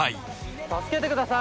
助けてください！